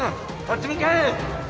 立ち向かえ！